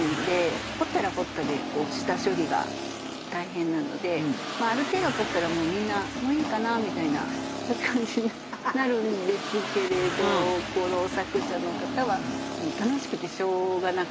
掘ったら掘ったで下処理が大変なのである程度採ったらもうみんなもういいかなみたいな感じになるんですけれどこの作者の方はもう楽しくてしょうがなかったんでしょうね。